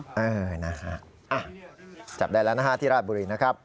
เออนะฮะจับได้แล้วนะฮะที่ราชบุรีนะครับ